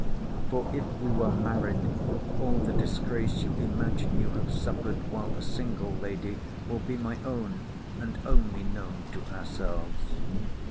For if we were married, all the disgrace you imagine you have suffered while a single lady, will be my own, and only known to ourselves.